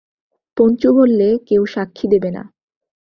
পঞ্চু বললে, কেউ সাক্ষি দেবে না।